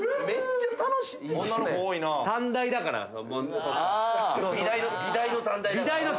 美大の短大だから。